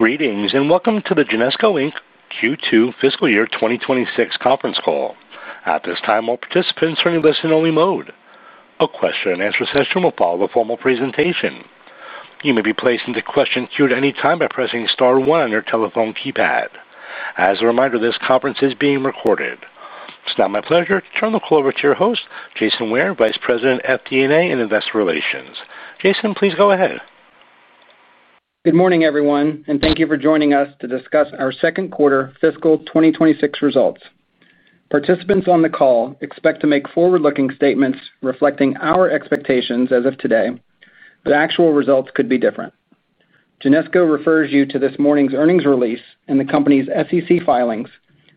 Greetings and welcome to the Genesco Inc. Q2 Fiscal Year 2026 Conference Call. At this time, all participants are in a listen-only mode. A question-and-answer session will follow the formal presentation. You may be placed into the question queue at any time by pressing star one on your telephone keypad. As a reminder, this conference is being recorded. It's now my pleasure to turn the call over to your host, Jason Ware, Vice President, FD&A, Investor Relations. Jason, please go ahead. Good morning, everyone, and thank you for joining us to discuss our second quarter fiscal 2026 results. Participants on the call expect to make forward-looking statements reflecting our expectations as of today, but actual results could be different. Genesco refers you to this morning's earnings release and the company's SEC filings,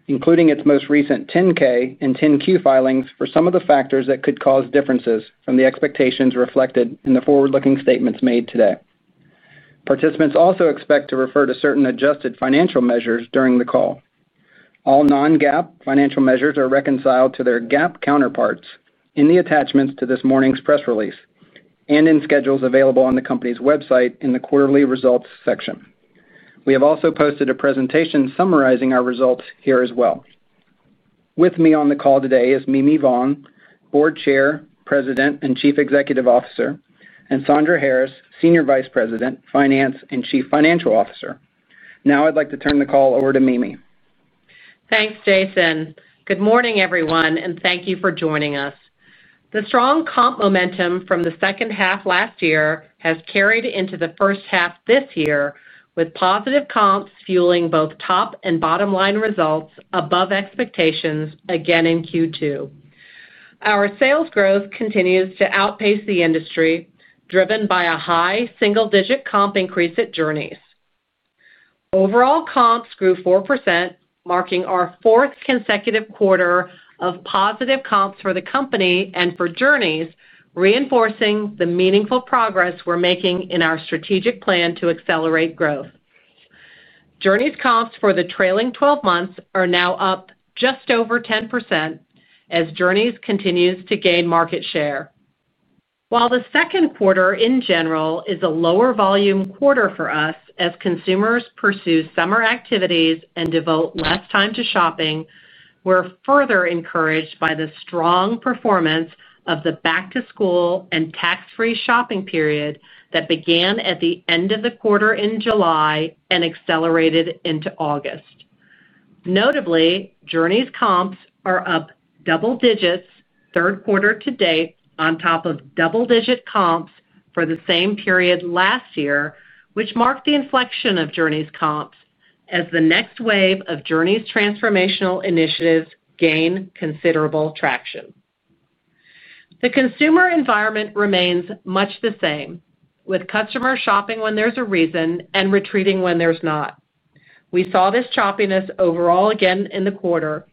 including its most recent 10-K and 10-Q filings for some of the factors that could cause differences from the expectations reflected in the forward-looking statements made today. Participants also expect to refer to certain adjusted financial measures during the call. All non-GAAP financial measures are reconciled to their GAAP counterparts in the attachments to this morning's press release and in schedules available on the company's website in the quarterly results section. We have also posted a presentation summarizing our results here as well. With me on the call today is Mimi Vaughn, Board Chair, President and Chief Executive Officer, and Cassandra Harris, Senior Vice President, Finance and Chief Financial Officer. Now I'd like to turn the call over to Mimi. Thanks, Jason. Good morning, everyone, and thank you for joining us. The strong comp momentum from the second half last year has carried into the first-half this year, with positive comps fueling both top and bottom line results above expectations again in Q2. Our sales growth continues to outpace the industry, driven by a high single-digit comp increase at Journeys. Overall comps grew 4%, marking our fourth consecutive quarter of positive comps for the company and for Journeys, reinforcing the meaningful progress we're making in our strategic plan to accelerate growth. Journeys' comps for the trailing 12 months are now up just over 10% as Journeys continues to gain market share. While the second quarter in general is a lower volume quarter for us as consumers pursue summer activities and devote less time to shopping, we're further encouraged by the strong performance of the back-to-school and tax-free shopping period that began at the end of the quarter in July and accelerated into August. Notably, Journeys' comps are up double digits third quarter to date, on top of double-digit comps for the same period last year, which marked the inflection of Journeys' comps as the next wave of Journeys' transformational initiatives gain considerable traction. The consumer environment remains much the same, with customers shopping when there's a reason and retreating when there's not. We saw this choppiness overall again in the quarter.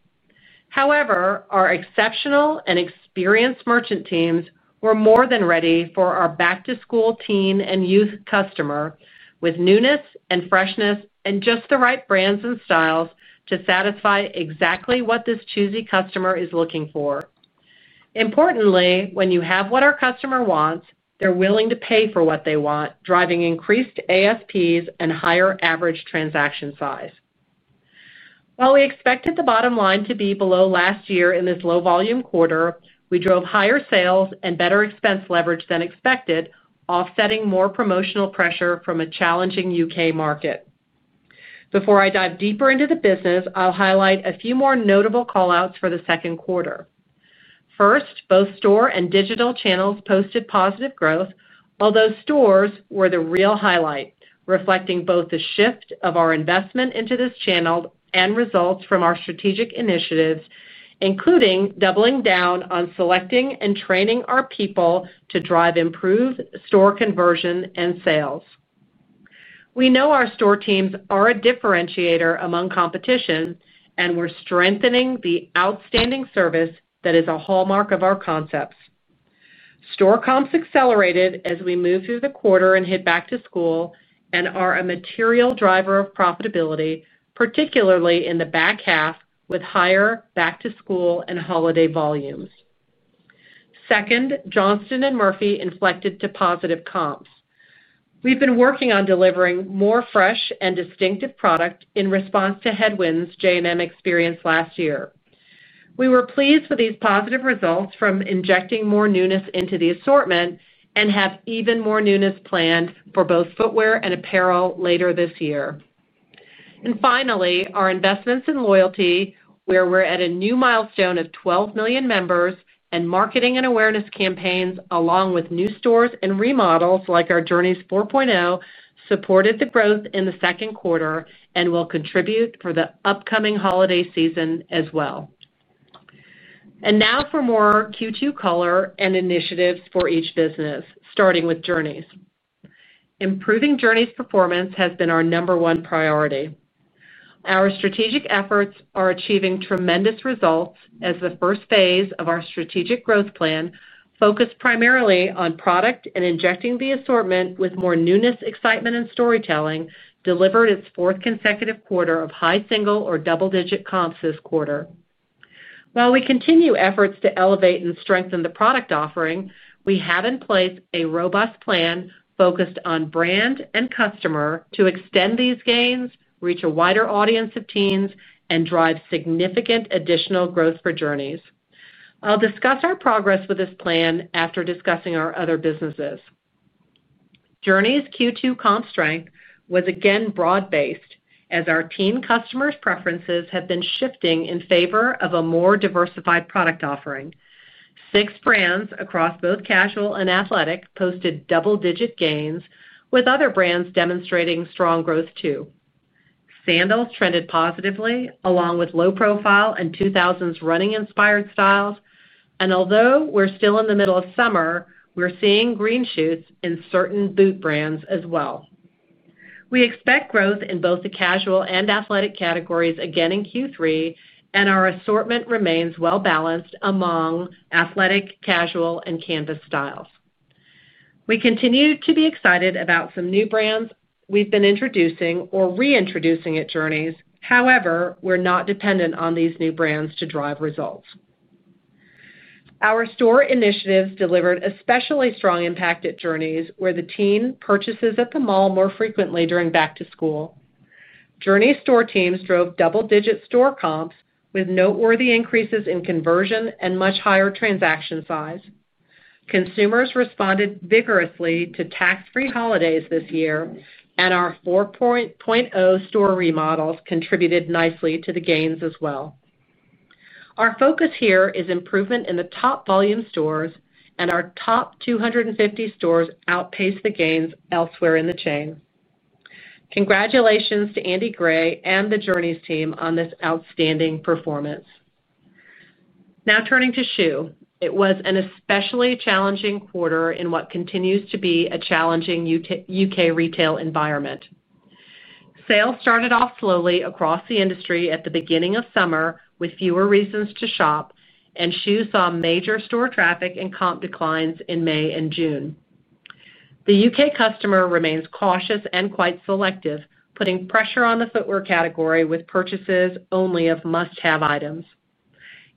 However, our exceptional and experienced merchant teams were more than ready for our back-to-school teen and youth customer, with newness and freshness and just the right brands and styles to satisfy exactly what this choosy customer is looking for. Importantly, when you have what our customer wants, they're willing to pay for what they want, driving increased ASPs and higher average transaction size. While we expected the bottom line to be below last year in this low volume quarter, we drove higher sales and better expense leverage than expected, offsetting more promotional pressure from a challenging U.K. market. Before I dive deeper into the business, I'll highlight a few more notable callouts for the second quarter. First, both store and digital channels posted positive growth, although stores were the real highlight, reflecting both the shift of our investment into this channel and results from our strategic initiatives, including doubling down on selecting and training our people to drive improved store conversion and sales. We know our store teams are a differentiator among competition, and we're strengthening the outstanding service that is a hallmark of our concepts. Store comps accelerated as we move through the quarter and hit back to school and are a material driver of profitability, particularly in the back-half with higher back-to-school and holiday volumes. Second, Johnston & Murphy inflected to positive comps. We've been working on delivering more fresh and distinctive product in response to headwinds J&M experienced last year. We were pleased with these positive results from injecting more newness into the assortment and have even more newness planned for both footwear and apparel later this year. Finally, our investments in loyalty, where we're at a new milestone of 12 million members, and marketing and awareness campaigns, along with new stores and remodels like our Journeys 4.0, supported the growth in the second quarter and will contribute for the upcoming holiday season as well. Now for more Q2 color and initiatives for each business, starting with Journeys. Improving Journeys' performance has been our number one priority. Our strategic efforts are achieving tremendous results as the first phase of our strategic growth plan, focused primarily on product and injecting the assortment with more newness, excitement, and storytelling, delivered its fourth consecutive quarter of high single or double-digit comps this quarter. While we continue efforts to elevate and strengthen the product offering, we have in place a robust plan focused on brand and customer to extend these gains, reach a wider audience of teens, and drive significant additional growth for Journeys. I'll discuss our progress with this plan after discussing our other businesses. Journeys' Q2 comp strength was again broad-based as our teen customers' preferences have been shifting in favor of a more diversified product offering. Six brands across both casual and athletic posted double-digit gains, with other brands demonstrating strong growth too. Sandals trended positively along with low-profile and 2000s running-inspired styles, and although we're still in the middle of summer, we're seeing green shoots in certain boot brands as well. We expect growth in both the casual and athletic categories again in Q3, and our assortment remains well-balanced among athletic, casual, and canvas styles. We continue to be excited about some new brands we've been introducing or reintroducing at Journeys, however, we're not dependent on these new brands to drive results. Our store initiatives delivered especially strong impact at Journeys, where the teen purchases at the mall more frequently during back-to-school. Journeys' store teams drove double-digit store comps with noteworthy increases in conversion and much higher transaction size. Consumers responded vigorously to tax-free holidays this year, and our 4.0 store remodels contributed nicely to the gains as well. Our focus here is improvement in the top volume stores, and our top 250 stores outpace the gains elsewhere in the chain. Congratulations to Andy Gray and the Journeys' team on this outstanding performance. Now turning to schuh, it was an especially challenging quarter in what continues to be a challenging U.K. retail environment. Sales started off slowly across the industry at the beginning of summer with fewer reasons to shop, and schuh saw major store traffic and comp declines in May and June. The U.K. customer remains cautious and quite selective, putting pressure on the footwear category with purchases only of must-have items.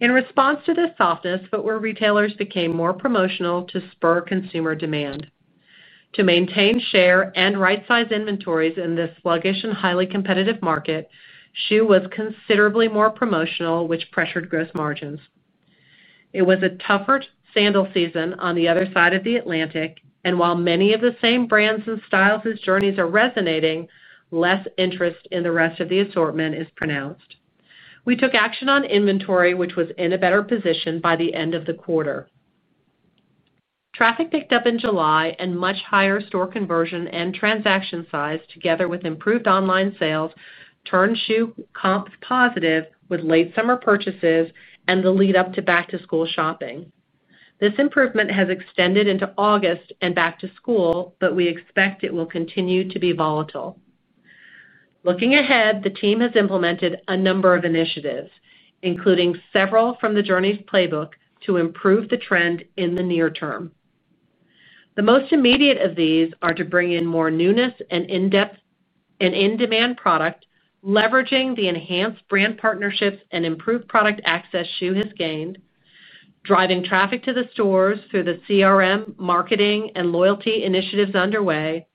In response to this softness, footwear retailers became more promotional to spur consumer demand. To maintain share and right-size inventories in this sluggish and highly competitive market, schuh was considerably more promotional, which pressured gross margins. It was a tougher sandal season on the other side of the Atlantic, and while many of the same brands and styles as Journeys are resonating, less interest in the rest of the assortment is pronounced. We took action on inventory, which was in a better position by the end of the quarter. Traffic picked up in July and much higher store conversion and transaction size, together with improved online sales, turned schuh comps positive with late summer purchases and the lead-up to back-to-school shopping. This improvement has extended into August and back to school, but we expect it will continue to be volatile. Looking ahead, the team has implemented a number of initiatives, including several from the Journeys playbook, to improve the trend in the near term. The most immediate of these are to bring in more newness and in-depth and in-demand product, leveraging the enhanced brand partnerships and improved product access schuh has gained, driving traffic to the stores through the CRM, marketing, and loyalty initiatives underway,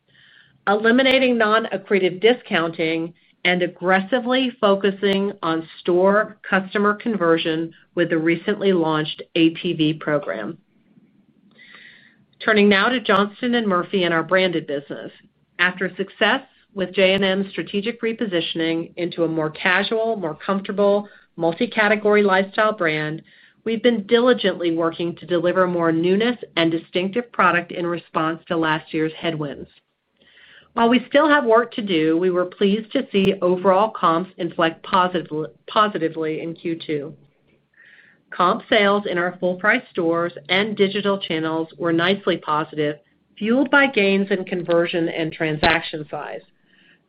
eliminating non-accretive discounting, and aggressively focusing on store customer conversion with the recently launched ATV program. Turning now to Johnston & Murphy in our branded business. After success with J&M's strategic repositioning into a more casual, more comfortable, multi-category lifestyle brand, we've been diligently working to deliver more newness and distinctive product in response to last year's headwinds. While we still have work to do, we were pleased to see overall comps inflect positively in Q2. Comp sales in our full-price stores and digital channels were nicely positive, fueled by gains in conversion and transaction size.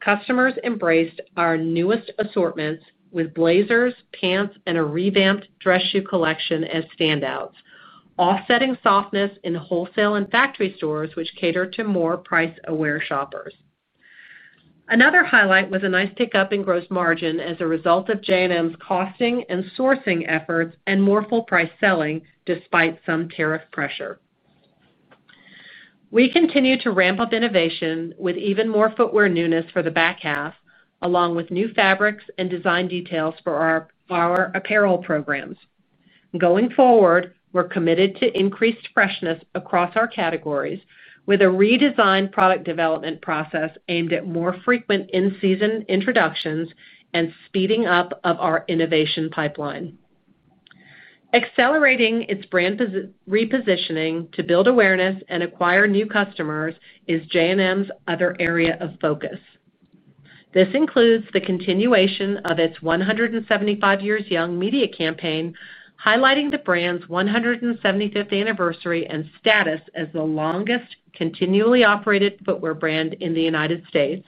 Customers embraced our newest assortments with blazers, pants, and a revamped dress shoe collection as standouts, offsetting softness in wholesale and factory stores, which catered to more price-aware shoppers. Another highlight was a nice pickup in gross margin as a result of J&M's costing and sourcing efforts and more full-price selling despite some tariff pressure. We continue to ramp up innovation with even more footwear newness for the back-half, along with new fabrics and design details for our apparel programs. Going forward, we're committed to increased freshness across our categories with a redesigned product development process aimed at more frequent in-season introductions and speeding up of our innovation pipeline. Accelerating its brand repositioning to build awareness and acquire new customers is J&M's other area of focus. This includes the continuation of its 175 Years Young media campaign, highlighting the brand's 175th anniversary and status as the longest continually operated footwear brand in the United States,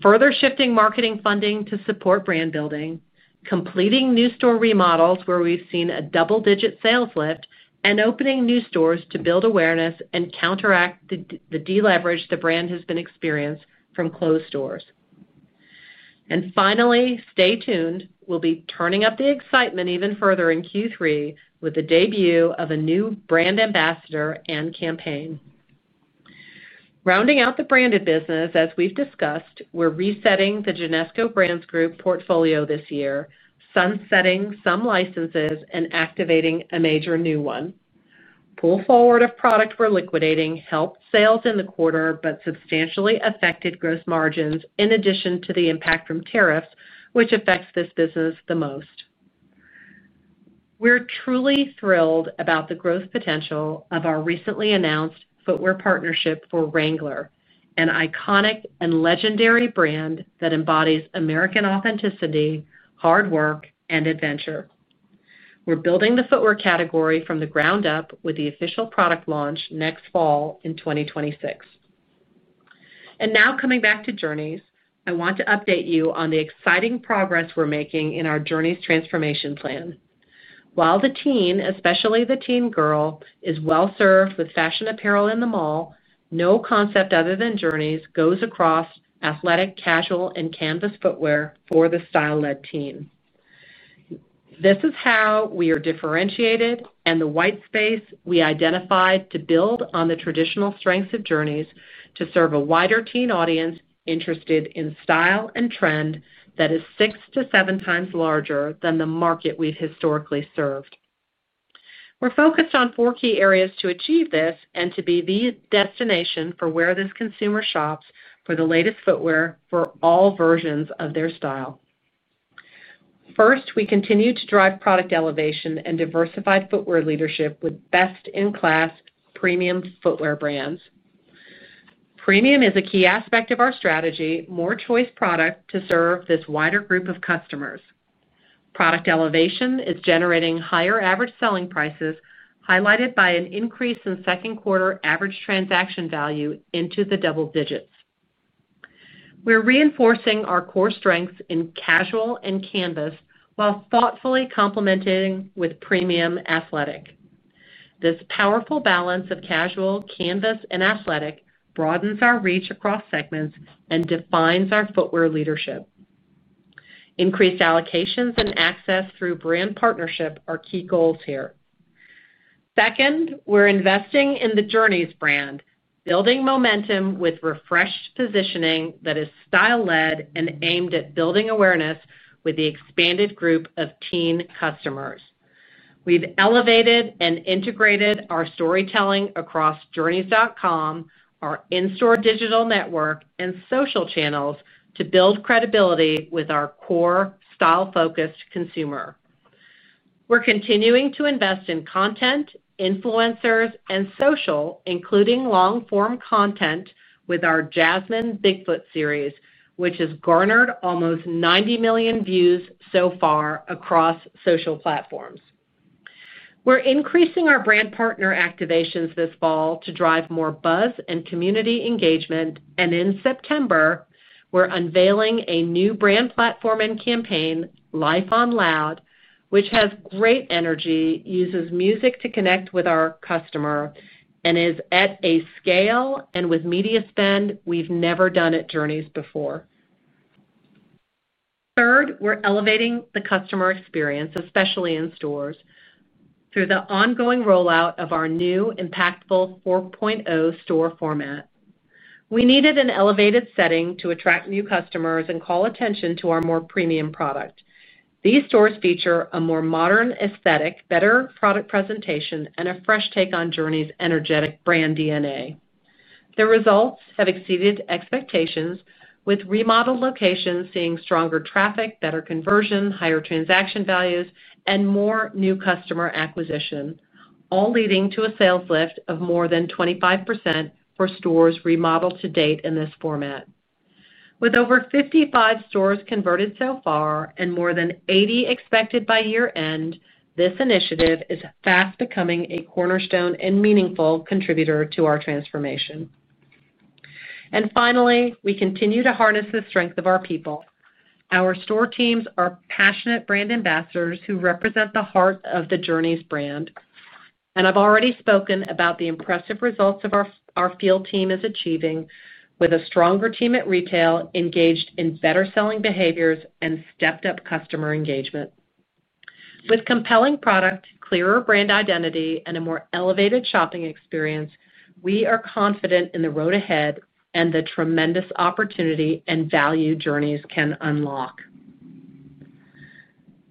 further shifting marketing funding to support brand building, completing new store remodels where we've seen a double-digit sales lift, and opening new stores to build awareness and counteract the deleverage the brand has been experiencing from closed stores. Finally, stay tuned. We'll be turning up the excitement even further in Q3 with the debut of a new brand ambassador and campaign. Rounding out the branded business, as we've discussed, we're resetting the Genesco Brands Group portfolio this year, sunsetting some licenses and activating a major new one. Pull forward of product we're liquidating helped sales in the quarter, but substantially affected gross margins in addition to the impact from tariffs, which affects this business the most. We're truly thrilled about the growth potential of our recently announced footwear partnership for Wrangler, an iconic and legendary brand that embodies American authenticity, hard work, and adventure. We're building the footwear category from the ground up with the official product launch next fall in 2026. Coming back to Journeys, I want to update you on the exciting progress we're making in our Journeys' transformation plan. While the teen, especially the teen girl, is well-served with fashion apparel in the mall, no concept other than Journeys goes across athletic, casual, and canvas footwear for the style-led teen. This is how we are differentiated and the white space we identified to build on the traditional strengths of Journeys to serve a wider teen audience interested in style and trend that is 6x-7x larger than the market we've historically served. We're focused on four key areas to achieve this and to be the destination for where this consumer shops for the latest footwear for all versions of their style. First, we continue to drive product elevation and diversify footwear leadership with best-in-class premium footwear brands. Premium is a key aspect of our strategy, more choice product to serve this wider group of customers. Product elevation is generating higher average selling prices, highlighted by an increase in second quarter average transaction value into the double digits. We're reinforcing our core strengths in casual and canvas while thoughtfully complementing with premium athletic. This powerful balance of casual, canvas, and athletic broadens our reach across segments and defines our footwear leadership. Increased allocations and access through brand partnership are key goals here. Second, we're investing in the Journeys brand, building momentum with refreshed positioning that is style-led and aimed at building awareness with the expanded group of teen customers. We've elevated and integrated our storytelling across journeys.com, our in-store digital network, and social channels to build credibility with our core style-focused consumer. We're continuing to invest in content, influencers, and social, including long-form content with our Jazmine Bigfoot series, which has garnered almost 90 million views so far across social platforms. We're increasing our brand partner activations this fall to drive more buzz and community engagement, and in September, we're unveiling a new brand platform and campaign, Life on Loud, which has great energy, uses music to connect with our customer, and is at a scale and with media spend we've never done at Journeys before. Third, we're elevating the customer experience, especially in stores, through the ongoing rollout of our new impactful 4.0 store format. We needed an elevated setting to attract new customers and call attention to our more premium product. These stores feature a more modern aesthetic, better product presentation, and a fresh take on Journeys' energetic brand DNA. The results have exceeded expectations, with remodeled locations seeing stronger traffic, better conversion, higher transaction values, and more new customer acquisition, all leading to a sales lift of more than 25% for stores remodeled to date in this format. With over 55 stores converted so far and more than 80 expected by year-end, this initiative is fast becoming a cornerstone and meaningful contributor to our transformation. Finally, we continue to harness the strength of our people. Our store teams are passionate brand ambassadors who represent the heart of the Journeys' brand. I've already spoken about the impressive results our field team is achieving, with a stronger team at retail engaged in better selling behaviors and stepped-up customer engagement. With compelling product, clearer brand identity, and a more elevated shopping experience, we are confident in the road ahead and the tremendous opportunity and value Journeys can unlock.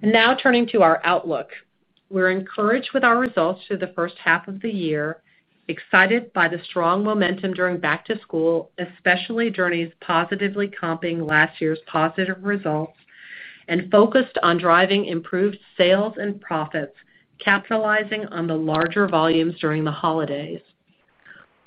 Now turning to our outlook, we're encouraged with our results through the first-half of the year, excited by the strong momentum during back-to-school, especially Journeys positively comping last year's positive results, and focused on driving improved sales and profits, capitalizing on the larger volumes during the holidays.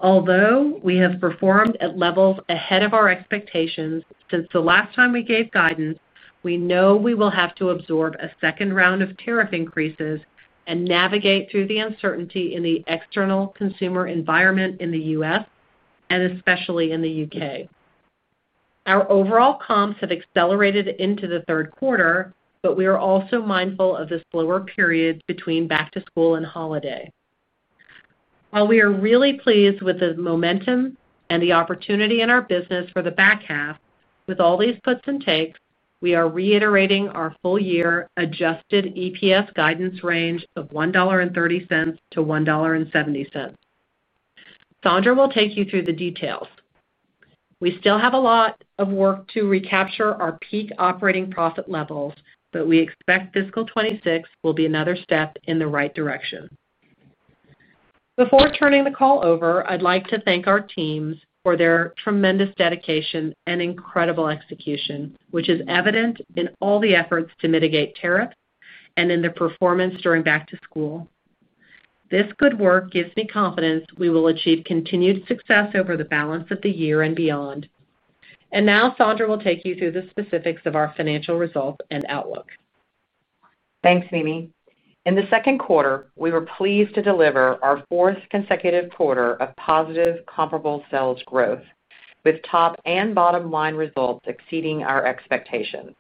Although we have performed at levels ahead of our expectations since the last time we gave guidance, we know we will have to absorb a second round of tariff increases and navigate through the uncertainty in the external consumer environment in the U.S. and especially in the U.K.. Our overall comps have accelerated into the third quarter, but we are also mindful of this slower period between back-to-school and holiday. While we are really pleased with the momentum and the opportunity in our business for the back-half, with all these puts and takes, we are reiterating our full year adjusted EPS guidance range of $1.30-$1.70. Cassandra will take you through the details. We still have a lot of work to recapture our peak operating profit levels, but we expect fiscal 2026 will be another step in the right direction. Before turning the call over, I'd like to thank our teams for their tremendous dedication and incredible execution, which is evident in all the efforts to mitigate tariffs and in the performance during back-to-school. This good work gives me confidence we will achieve continued success over the balance of the year and beyond. Now, Cassandra will take you through the specifics of our financial results and outlook. Thanks, Mimi. In the second quarter, we were pleased to deliver our fourth consecutive quarter of positive comparable sales growth, with top and bottom line results exceeding our expectations.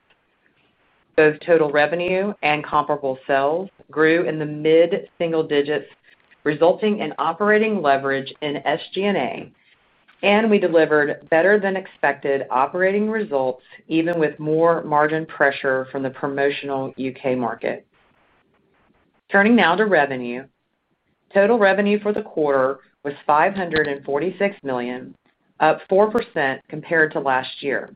Both total revenue and comparable sales grew in the mid-single digits, resulting in operating leverage in SG&A, and we delivered better than expected operating results, even with more margin pressure from the promotional U.K. market. Turning now to revenue, total revenue for the quarter was $546 million, up 4% compared to last year,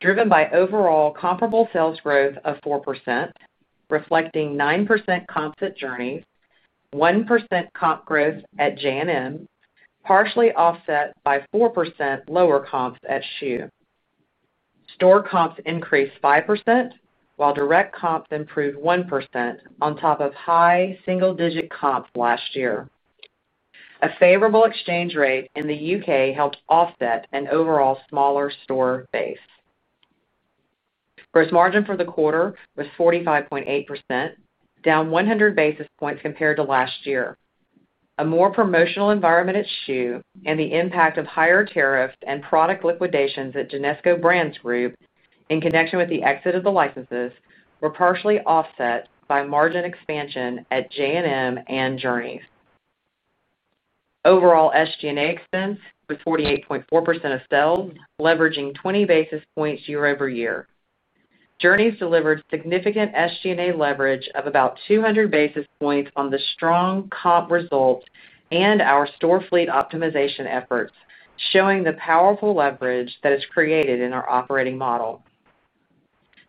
driven by overall comparable sales growth of 4%, reflecting 9% comps at Journeys, 1% comp growth at J&M partially offset by 4% lower comps at schuh. Store comps increased 5%, while direct comps improved 1% on top of high single-digit comps last year. A favorable exchange rate in the U.K. helped offset an overall smaller store base. Gross margin for the quarter was 45.8%, down 100 basis points compared to last year. A more promotional environment at schuh and the impact of higher tariffs and product liquidations at Genesco Brands Group in connection with the exit of the licenses were partially offset by margin expansion at J&M and Journeys. Overall SG&A expense was 48.4% of sales, leveraging 20 basis points year-over-year. Journeys delivered significant SG&A leverage of about 200 basis points on the strong comp results and our store fleet optimization efforts, showing the powerful leverage that is created in our operating model.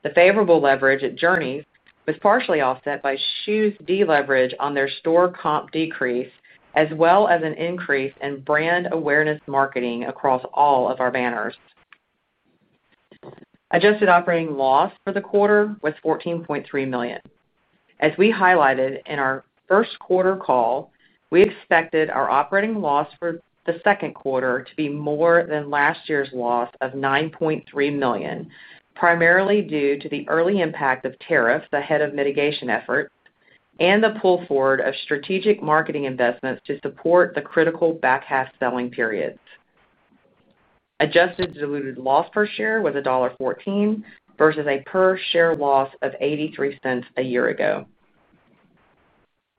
The favorable leverage at Journeys was partially offset by schuh's deleverage on their store comp decrease, as well as an increase in brand awareness marketing across all of our banners. Adjusted operating loss for the quarter was $14.3 million. As we highlighted in our first quarter call, we expected our operating loss for the second quarter to be more than last year's loss of $9.3 million, primarily due to the early impact of tariffs ahead of mitigation efforts and the pull forward of strategic marketing investments to support the critical back-half selling periods. Adjusted diluted loss per share was $1.14 versus a per share loss of $0.83 a year ago.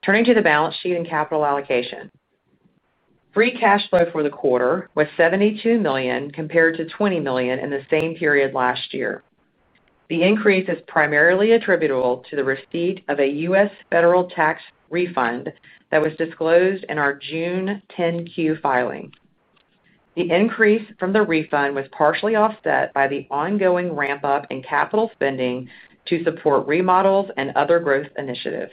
Turning to the balance sheet and capital allocation, free cash flow for the quarter was $72 million compared to $20 million in the same period last year. The increase is primarily attributable to the receipt of a U.S. Federal Tax Refund that was disclosed in our June 10-Q filing. The increase from the refund was partially offset by the ongoing ramp-up in capital spending to support remodels and other growth initiatives.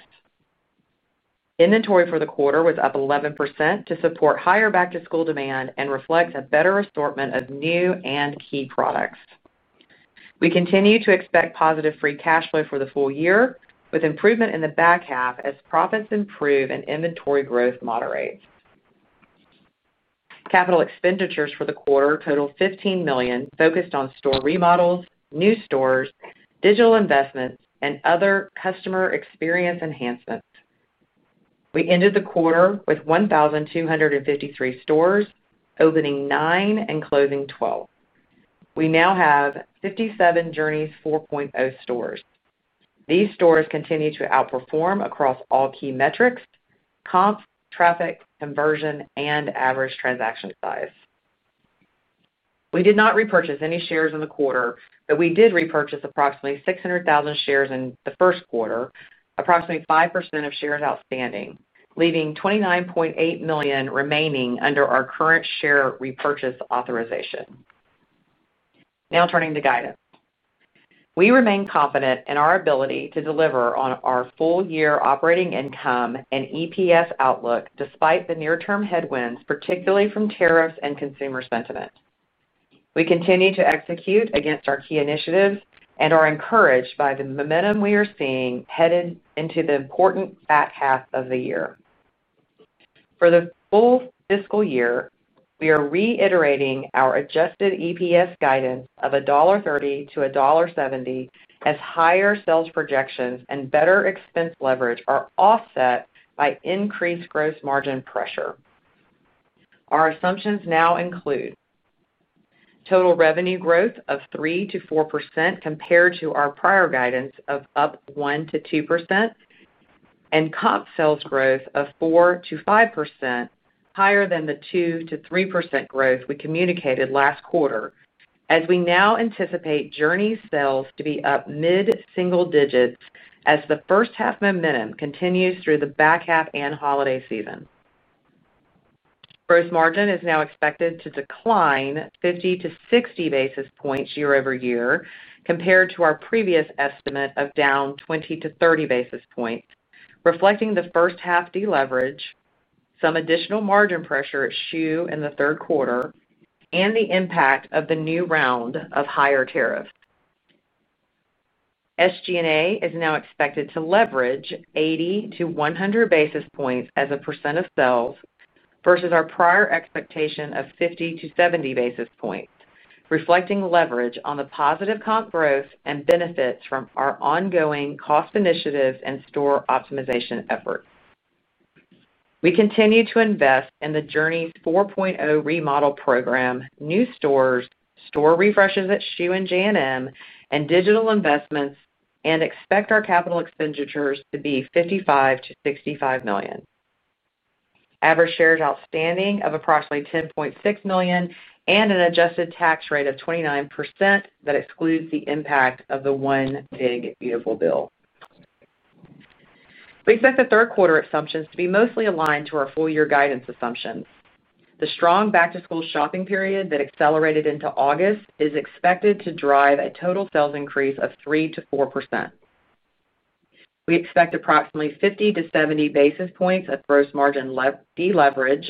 Inventory for the quarter was up 11% to support higher back-to-school demand and reflects a better assortment of new and key products. We continue to expect positive free cash flow for the full year, with improvement in the back half as profits improve and inventory growth moderates. Capital expenditures for the quarter totaled $15 million, focused on store remodels, new stores, digital investments, and other customer experience enhancements. We ended the quarter with 1,253 stores, opening nine and closing 12. We now have 57 Journeys 4.0 stores. These stores continue to outperform across all key metrics: comp, traffic, conversion, and average transaction size. We did not repurchase any shares in the quarter, but we did repurchase approximately 600,000 shares in the first quarter, approximately 5% of shares outstanding, leaving $29.8 million remaining under our current share repurchase authorization. Now turning to guidance, we remain confident in our ability to deliver on our full-year operating income and EPS outlook despite the near-term headwinds, particularly from tariffs and consumer sentiment. We continue to execute against our key initiatives and are encouraged by the momentum we are seeing headed into the important back-half of the year. For the full fiscal year, we are reiterating our adjusted EPS guidance of $1.30-$1.70 as higher sales projections and better expense leverage are offset by increased gross margin pressure. Our assumptions now include total revenue growth of 3%-4% compared to our prior guidance of up 1%-2%, and comp sales growth of 4%-5%, higher than the 2%-3% growth we communicated last quarter, as we now anticipate Journeys sales to be up mid-single digits as the first-half momentum continues through the back half and holiday season. Gross margin is now expected to decline 50-60 basis points year-over-year compared to our previous estimate of down 20-30 basis points, reflecting the first half deleverage, some additional margin pressure at schuh in the third quarter, and the impact of the new round of higher tariffs. SG&A is now expected to leverage 80-100 basis points as a percent of sales versus our prior expectation of 50-70 basis points, reflecting leverage on the positive comp growth and benefits from our ongoing cost initiatives and store optimization efforts. We continue to invest in the Journeys 4.0 remodel program, new stores, store refreshes at schuh and J&M, and digital investments, and expect our capital expenditures to be $55 million-$65 million. Average shares outstanding of approximately $10.6 million and an adjusted tax rate of 29% that excludes the impact of the one big beautiful bill. We set the third quarter assumptions to be mostly aligned to our full-year guidance assumptions. The strong back-to-school shopping period that accelerated into August is expected to drive a total sales increase of 3%-4%. We expect approximately 50-70 basis points of gross margin deleverage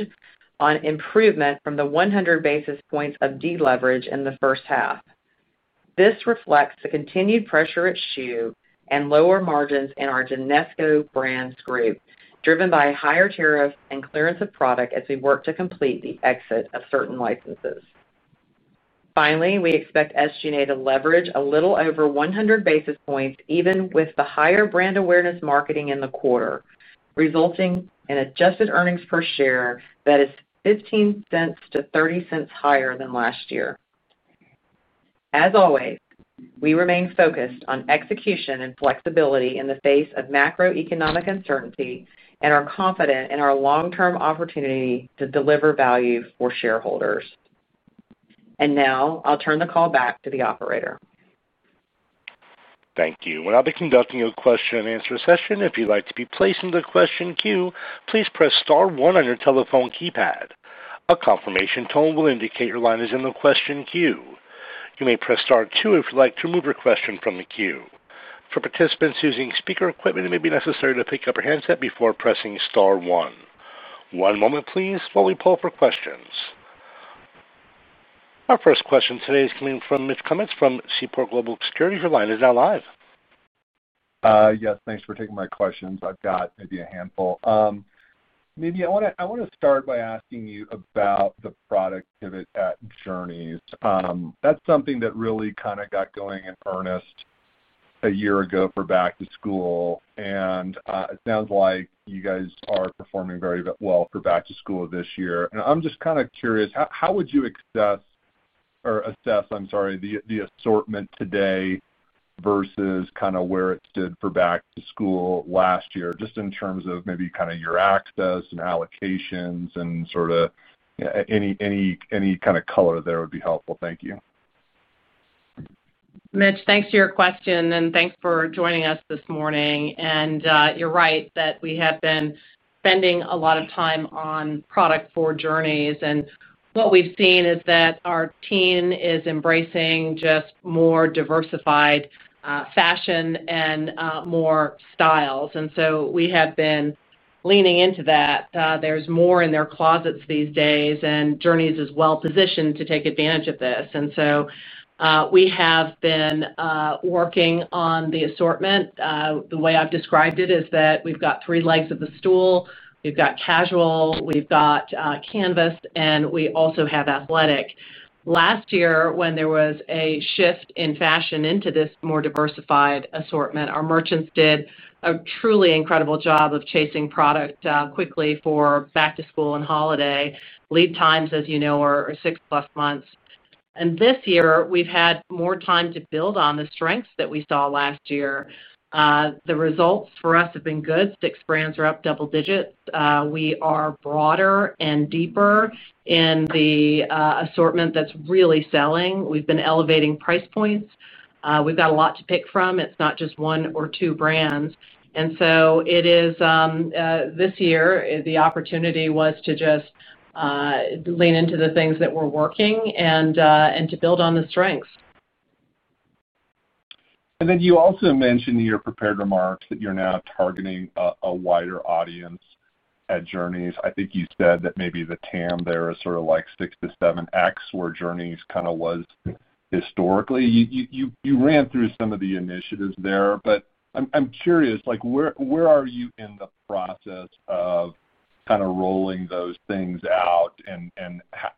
on improvement from the 100 basis points of deleverage in the first-half. This reflects the continued pressure at schuh and lower margins in our Genesco Brands Group, driven by higher tariffs and clearance of product as we work to complete the exit of certain licenses. Finally, we expect SG&A to leverage a little over 100 basis points, even with the higher brand awareness marketing in the quarter, resulting in adjusted earnings per share that is $0.15-$0.30 higher than last year. As always, we remain focused on execution and flexibility in the face of macroeconomic uncertainty and are confident in our long-term opportunity to deliver value for shareholders. Now I'll turn the call back to the operator. Thank you. I'll now be conducting a question-and-answer session. If you'd like to be placed in the question queue, please press star one on your telephone keypad. A confirmation tone will indicate your line is in the question queue. You may press star two if you'd like to remove your question from the queue. For participants using speaker equipment, it may be necessary to pick up your headset before pressing star one. One moment, please. While we pull up our questions, our first question today is coming from Mitch Kummetz from Seaport. Your line is now live. Yes, thanks for taking my questions. I've got maybe a handful. Mimi, I want to start by asking you about the product pivot at Journeys. That's something that really kind of got going in earnest a year ago for back-to-school, and it sounds like you guys are performing very well for back-to-school this year. I'm just kind of curious, how would you assess the assortment today versus where it stood for back-to-school last year, just in terms of maybe your access and allocations and any kind of color there would be helpful. Thank you. Mitch, thanks for your question, and thanks for joining us this morning. You're right that we have been spending a lot of time on product for Journeys, and what we've seen is that our team is embracing just more diversified fashion and more styles. We have been leaning into that. There's more in their closets these days, and Journeys is well-positioned to take advantage of this. We have been working on the assortment. The way I've described it is that we've got three legs of the stool. We've got casual, we've got canvas, and we also have athletic. Last year, when there was a shift in fashion into this more diversified assortment, our merchants did a truly incredible job of chasing product quickly for back-to-school and holiday. Lead times, as you know, are six-plus months. This year, we've had more time to build on the strengths that we saw last year. The results for us have been good. Sticks brands are up double digits. We are broader and deeper in the assortment that's really selling. We've been elevating price points. We've got a lot to pick from. It's not just one or two brands. This year, the opportunity was to just lean into the things that were working and to build on the strengths. You also mentioned in your prepared remarks that you're now targeting a wider audience at Journeys. I think you said that maybe the TAM there is sort of like 6x-7x where Journeys kind of was historically. You ran through some of the initiatives there, but I'm curious, where are you in the process of rolling those things out, and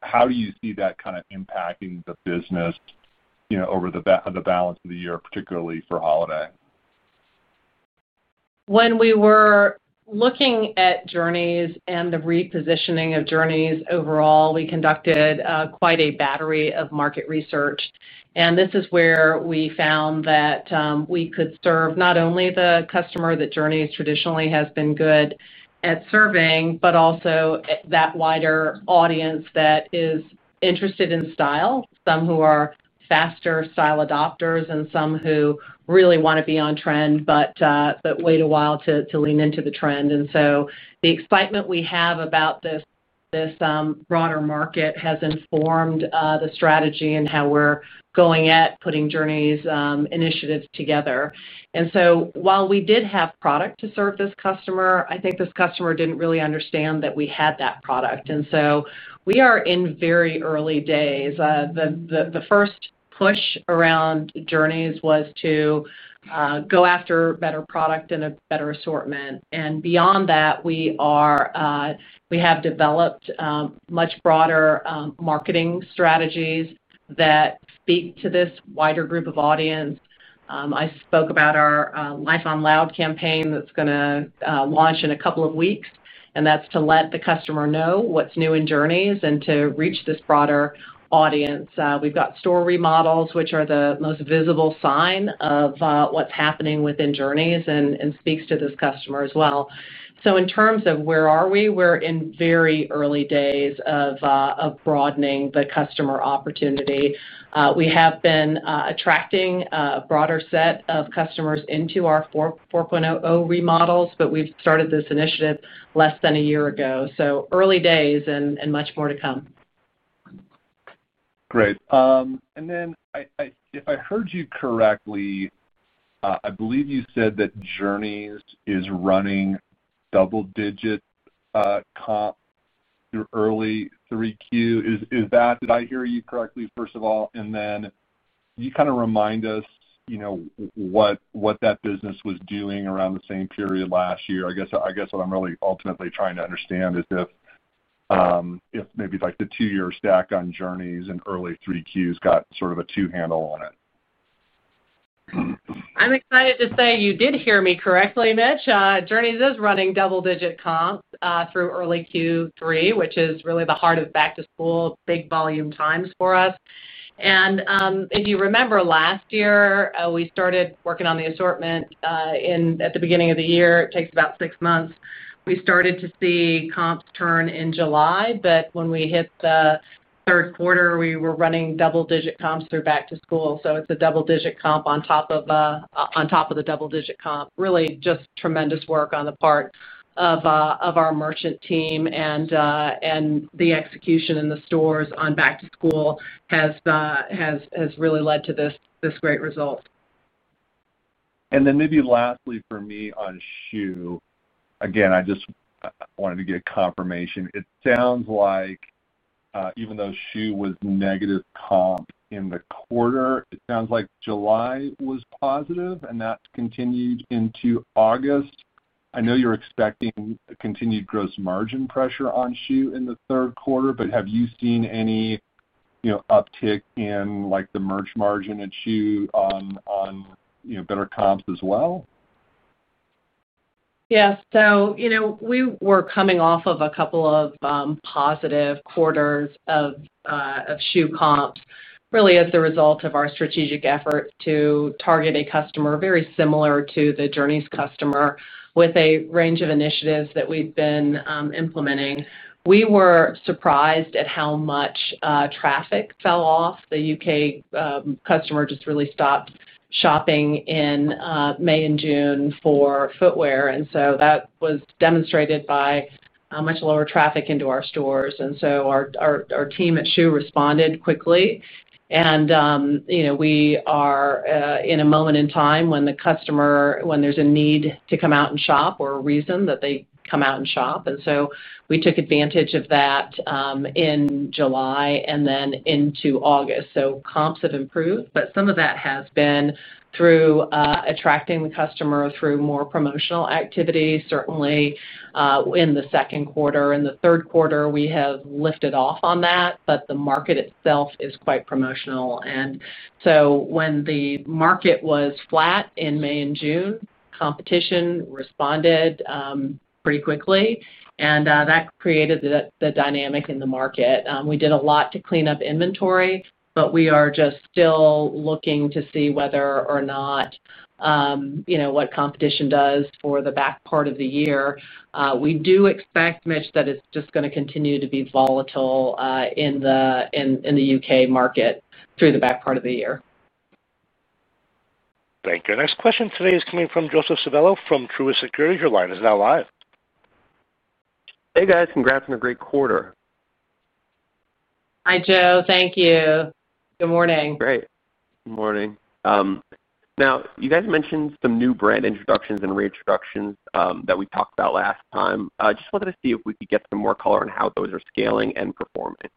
how do you see that impacting the business over the balance of the year, particularly for holiday? When we were looking at Journeys and the repositioning of Journeys overall, we conducted quite a battery of market research. This is where we found that we could serve not only the customer that Journeys traditionally has been good at serving, but also that wider audience that is interested in style, some who are faster style adopters and some who really want to be on trend, but wait a while to lean into the trend. The excitement we have about this, this broader market has informed the strategy and how we're going at putting Journeys initiatives together. While we did have product to serve this customer, I think this customer didn't really understand that we had that product. We are in very early days. The first push around Journeys was to go after better product and a better assortment. Beyond that, we have developed much broader marketing strategies that speak to this wider group of audience. I spoke about our Life on Loud campaign that's going to launch in a couple of weeks, and that's to let the customer know what's new in Journeys and to reach this broader audience. We've got store remodels, which are the most visible sign of what's happening within Journeys and speaks to this customer as well. In terms of where are we, we're in very early days of broadening the customer opportunity. We have been attracting a broader set of customers into our 4.0 remodels, but we've started this initiative less than a year ago. Early days and much more to come. Great. If I heard you correctly, I believe you said that Journeys is running double-digit comp through early 3Q. Is that, did I hear you correctly, first of all? Could you remind us what that business was doing around the same period last year? I guess what I'm really ultimately trying to understand is if maybe like the two-year stack on Journeys in early 3Q has got sort of a two-handle on it. I'm excited to say you did hear me correctly, Mitch. Journeys is running double-digit comps through early Q3, which is really the heart of back-to-school, big volume times for us. If you remember last year, we started working on the assortment at the beginning of the year. It takes about six months. We started to see comps turn in July, but when we hit the third quarter, we were running double-digit comps through back-to-school. It's a double-digit comp on top of the double-digit comp. Really just tremendous work on the part of our merchant team, and the execution in the stores on back-to-school has really led to this great result. Maybe lastly for me on schuh, I just wanted to get confirmation. It sounds like even though schuh was negative comp in the quarter, it sounds like July was positive and that continued into August. I know you're expecting continued gross margin pressure on schuh in the third quarter, but have you seen any uptick in the merch margin at schuh on better comps as well? Yes. You know, we were coming off of a couple of positive quarters of schuh comps, really as the result of our strategic effort to target a customer very similar to the Journeys customer with a range of initiatives that we'd been implementing. We were surprised at how much traffic fell off. The U.K. customer just really stopped shopping in May and June for footwear. That was demonstrated by much lower traffic into our stores. Our team at schuh responded quickly. We are in a moment in time when the customer, when there's a need to come out and shop or a reason that they come out and shop. We took advantage of that in July and then into August. Comps have improved, but some of that has been through attracting the customer through more promotional activity, certainly in the second quarter. In the third quarter, we have lifted off on that, but the market itself is quite promotional. When the market was flat in May and June, competition responded pretty quickly. That created the dynamic in the market. We did a lot to clean up inventory, but we are just still looking to see whether or not, you know, what competition does for the back part of the year. We do expect, Mitch, that it's just going to continue to be volatile in the U.K. market through the back part of the year. Thank you. Next question today is coming from Joseph Civello from Truist Securities. Your line is now live. Hey guys, congrats on a great quarter. Hi Joe, thank you. Good morning. Great. Good morning. You guys mentioned some new brand introductions and reintroductions that we talked about last time. I just wanted to see if we could get some more color on how those are scaling and performing.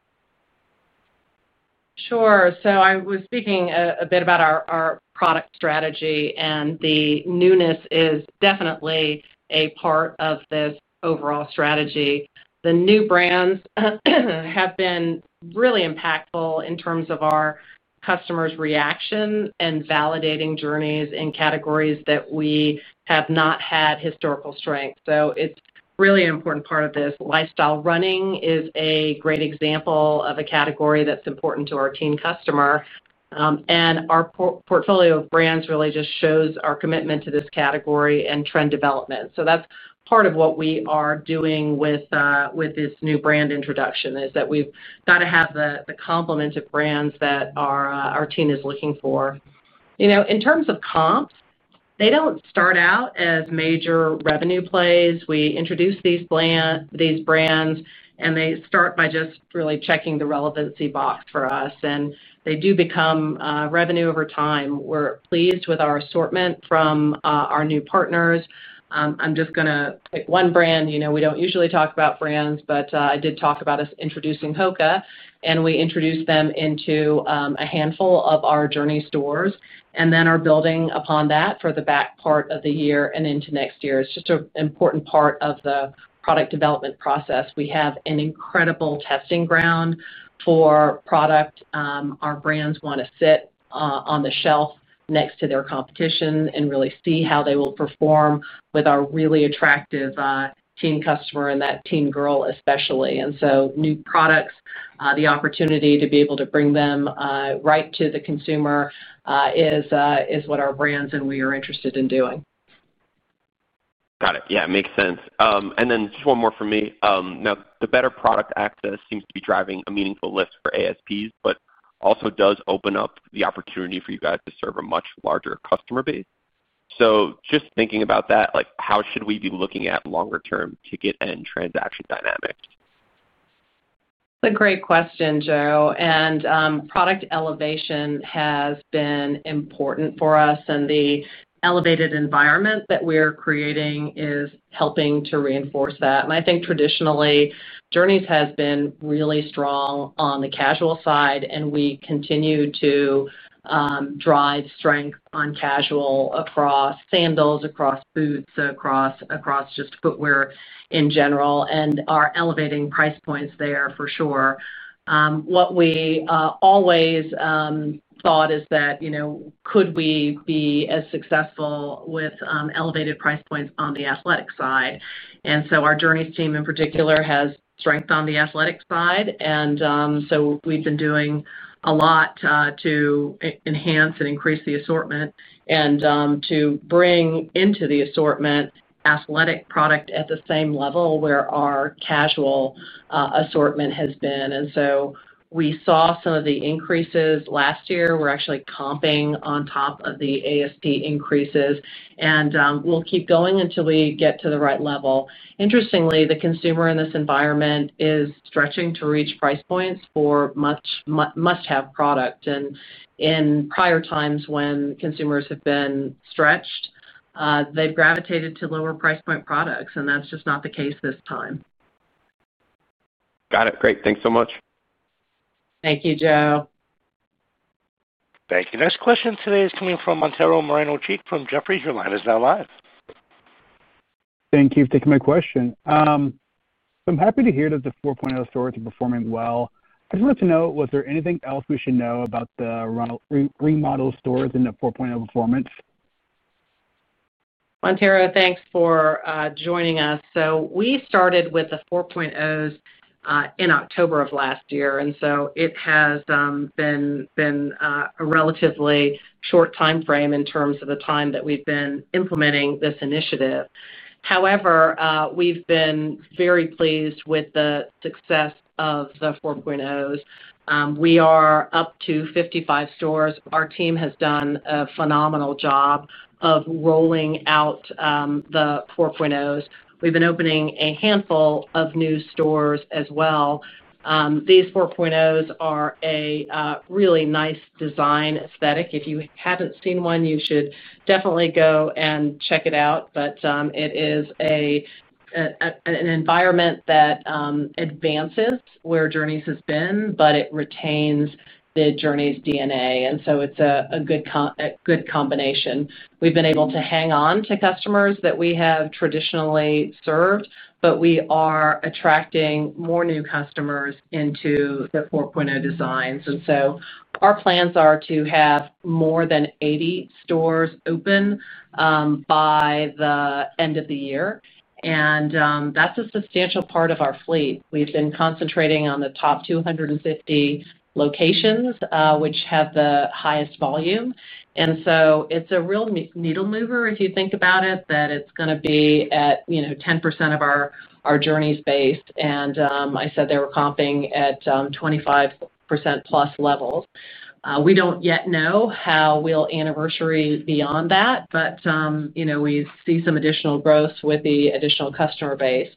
Sure. I was speaking a bit about our product strategy, and the newness is definitely a part of this overall strategy. The new brands have been really impactful in terms of our customers' reaction and validating Journeys in categories that we have not had historical strength. It's really an important part of this. Lifestyle running is a great example of a category that's important to our team customer. Our portfolio of brands really just shows our commitment to this category and trend development. That's part of what we are doing with this new brand introduction, that we've got to have the complement of brands that our team is looking for. In terms of comp, they don't start out as major revenue plays. We introduce these brands, and they start by just really checking the relevancy box for us. They do become revenue over time. We're pleased with our assortment from our new partners. I'm just going to pick one brand. We don't usually talk about brands, but I did talk about us introducing HOKA, and we introduced them into a handful of our Journeys stores. Our building upon that for the back part of the year and into next year is just an important part of the product development process. We have an incredible testing ground for product. Our brands want to sit on the shelf next to their competition and really see how they will perform with our really attractive team customer and that team girl especially. New products, the opportunity to be able to bring them right to the consumer is what our brands and we are interested in doing. Got it. Yeah, it makes sense. Just one more for me. Now, the better product access seems to be driving a meaningful lift for ASPs, but also does open up the opportunity for you guys to serve a much larger customer base. Just thinking about that, how should we be looking at longer-term ticket and transaction dynamics? That's a great question, Joe. Product elevation has been important for us, and the elevated environment that we are creating is helping to reinforce that. I think traditionally, Journeys has been really strong on the casual side, and we continue to drive strength on casual across sandals, across boots, across just footwear in general, and are elevating price points there for sure. What we always thought is that, you know, could we be as successful with elevated price points on the athletic side? Our Journeys team in particular has strength on the athletic side, and we've been doing a lot to enhance and increase the assortment and to bring into the assortment athletic product at the same level where our casual assortment has been. We saw some of the increases last year. We're actually comping on top of the ASP increases, and we'll keep going until we get to the right level. Interestingly, the consumer in this environment is stretching to reach price points for much must-have product. In prior times when consumers have been stretched, they've gravitated to lower price point products, and that's just not the case this time. Got it. Great. Thanks so much. Thank you, Joe. Thank you. Next question today is coming from Mantero Moreno-Cheek from Jefferies. Your line is now live. Thank you for taking my question. I'm happy to hear that the 4.0 stores are performing well. I just wanted to know, was there anything else we should know about the remodel stores in the 4.0 performance? Montero, thanks for joining us. We started with the 4.0s in October of last year, and it has been a relatively short timeframe in terms of the time that we've been implementing this initiative. However, we've been very pleased with the success of the 4.0s. We are up to 55 stores. Our team has done a phenomenal job of rolling out the 4.0s. We've been opening a handful of new stores as well. These 4.0s are a really nice design aesthetic. If you haven't seen one, you should definitely go and check it out. It is an environment that advances where Journeys has been, but it retains the Journeys DNA. It's a good combination. We've been able to hang on to customers that we have traditionally served, but we are attracting more new customers into the 4.0 designs. Our plans are to have more than 80 stores open by the end of the year. That's a substantial part of our fleet. We've been concentrating on the top 250 locations, which have the highest volume. It's a real needle mover, if you think about it, that it's going to be at 10% of our Journeys base. I said they were comping at 25%+ levels. We don't yet know how we'll anniversary beyond that, but we see some additional growth with the additional customer base.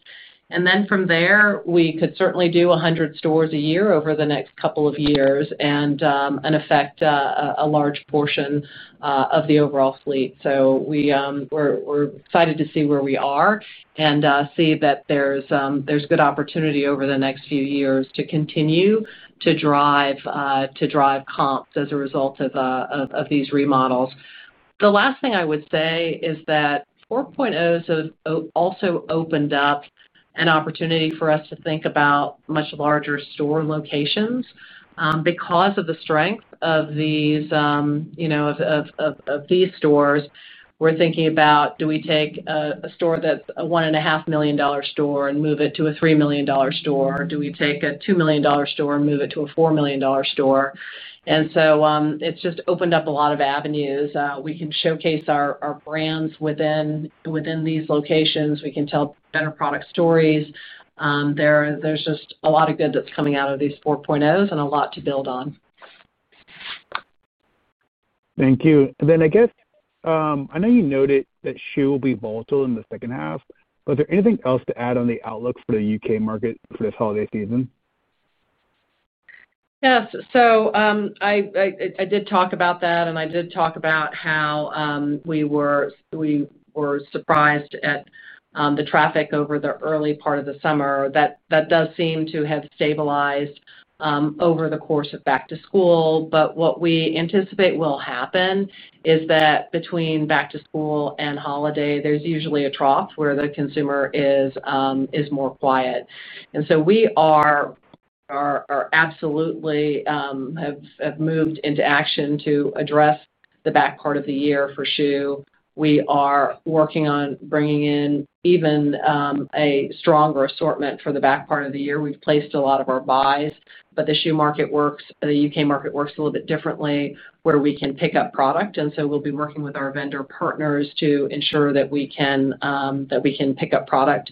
From there, we could certainly do 100 stores a year over the next couple of years and affect a large portion of the overall fleet. We're excited to see where we are and see that there's good opportunity over the next few years to continue to drive comps as a result of these remodels. The last thing I would say is that 4.0s have also opened up an opportunity for us to think about much larger store locations. Because of the strength of these stores, we're thinking about, do we take a store that's a $1.5 million store and move it to a $3 million store? Or do we take a $2 million store and move it to a $4 million store? It's just opened up a lot of avenues. We can showcase our brands within these locations. We can tell better product stories. There's just a lot of good that's coming out of these 4.0s and a lot to build on. Thank you. I know you noted that schuh will be volatile in the second half, but is there anything else to add on the outlook for the U.K. market for this holiday season? Yes. I did talk about that, and I did talk about how we were surprised at the traffic over the early part of the summer. That does seem to have stabilized over the course of back-to-school. What we anticipate will happen is that between back-to-school and holiday, there's usually a trough where the consumer is more quiet. We absolutely have moved into action to address the back part of the year for schuh. We are working on bringing in even a stronger assortment for the back part of the year. We've placed a lot of our buys, but the schuh market works, the U.K. market works a little bit differently, where we can pick up product. We'll be working with our vendor partners to ensure that we can pick up product.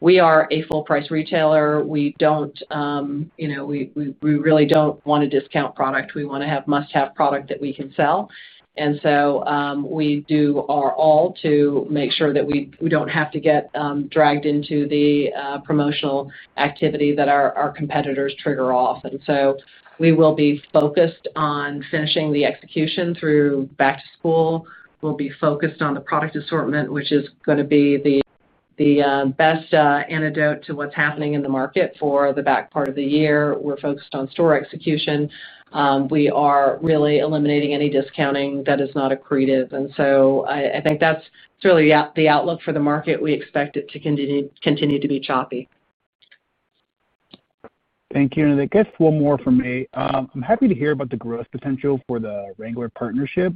We are a full-price retailer. We really don't want to discount product. We want to have must-have product that we can sell. We do our all to make sure that we don't have to get dragged into the promotional activity that our competitors trigger off. We will be focused on finishing the execution through back-to-school. We'll be focused on the product assortment, which is going to be the best antidote to what's happening in the market for the back part of the year. We're focused on store execution. We are really eliminating any discounting that is not accretive. I think that's really the outlook for the market. We expect it to continue to be choppy. Thank you. I guess one more for me. I'm happy to hear about the growth potential for the Wrangler partnership.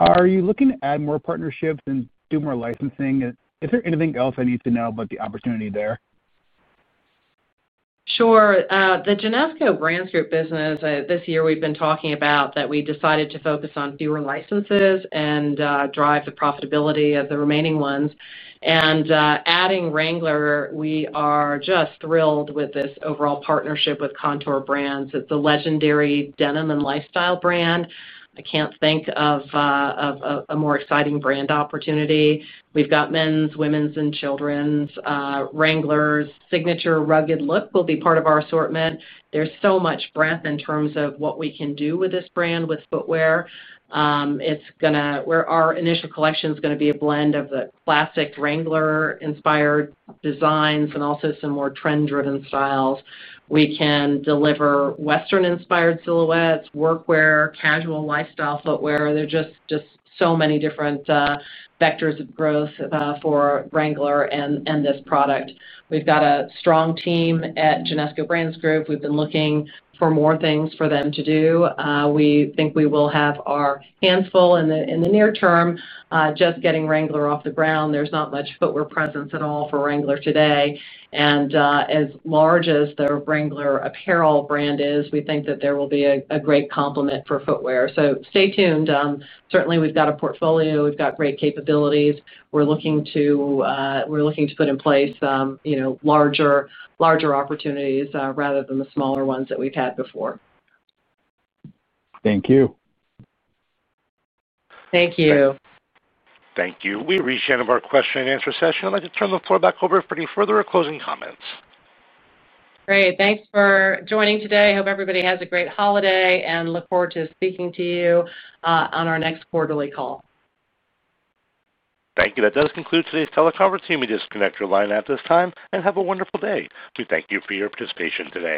Are you looking to add more partnerships and do more licensing? Is there anything else I need to know about the opportunity there? Sure. The Genesco Brands Group business this year, we've been talking about that we decided to focus on fewer licenses and drive the profitability of the remaining ones. Adding Wrangler, we are just thrilled with this overall partnership with Contour Brands. It's the legendary denim and lifestyle brand. I can't think of a more exciting brand opportunity. We've got men's, women's, and children's. Wrangler's signature rugged look will be part of our assortment. There's so much breadth in terms of what we can do with this brand with footwear. It's going to, our initial collection is going to be a blend of the classic Wrangler-inspired designs and also some more trend-driven styles. We can deliver Western-inspired silhouettes, workwear, casual, lifestyle footwear. There's just so many different vectors of growth for Wrangler and this product. We've got a strong team at Genesco Brands Group. We've been looking for more things for them to do. We think we will have our hands full in the near term. Just getting Wrangler off the ground, there's not much footwear presence at all for Wrangler today. As large as their Wrangler apparel brand is, we think that there will be a great complement for footwear. Stay tuned. Certainly, we've got a portfolio. We've got great capabilities. We're looking to put in place larger opportunities rather than the smaller ones that we've had before. Thank you. Thank you. Thank you. We reached the end of our question-and-answer session. I'd like to turn the floor back over for any further or closing comments. Great. Thanks for joining today. I hope everybody has a great holiday and look forward to speaking to you on our next quarterly call. Thank you. That does conclude today's teleconference. You may disconnect your line at this time and have a wonderful day. We thank you for your participation today.